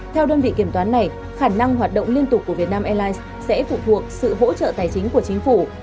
theo đơn vị kiểm toán này khả năng hoạt động liên tục của việt nam airlines sẽ phụ thuộc sự hỗ trợ tài chính của chính phủ